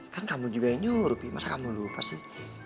kan kamu juga nyurup masa kamu lupa sih